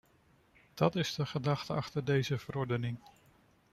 Dat is de gedachte achter deze verordening.